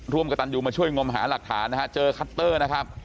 ร่วมกับตันยูมาช่วยงมหาหลักฐานนะฮะเจอคัตเตอร์นะครับ